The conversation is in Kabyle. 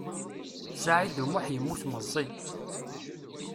Saɛid U Muḥ yemmut meẓẓi.